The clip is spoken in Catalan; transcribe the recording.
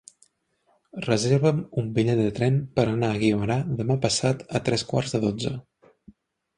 Reserva'm un bitllet de tren per anar a Guimerà demà passat a tres quarts de dotze.